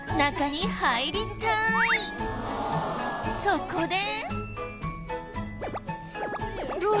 そこで。